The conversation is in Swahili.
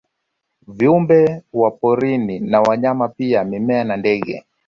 Viumbe wa porini na wanyama pia mimea na ndege